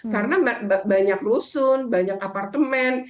karena banyak rusun banyak apartemen